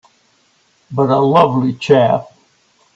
But a lovely chap!